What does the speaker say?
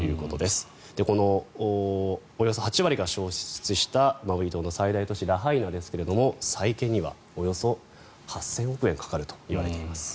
そして、この８割が焼失したマウイ島の最大都市ラハイナですが再建にはおよそ８０００億円かかるといわれています。